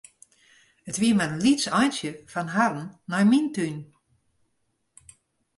It wie mar in lyts eintsje fan harren nei myn tún.